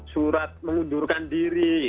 surat mengundurkan diri